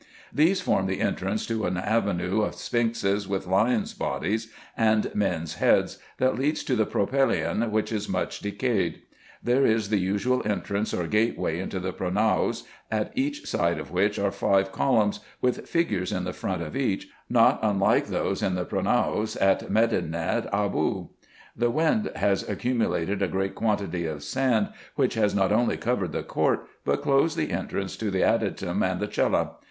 These form the entrance to an avenue of sphinxes with lions' bodies and men's heads, that leads to the propylaeon, which is much decayed. There is the usual entrance or gateway into the pronaos, at each side of which are five columns, with figures in the front of each, not unlike those in the pronaos at Medinet Aaboo. The wind has accumulated a great quantity of sand, which has not only covered the court, but closed the entrance to the adytum and the cella.